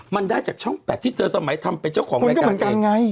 มันได้จากช่อง๘ที่เจอสมัยทำเป็นเจ้าของรายการเอง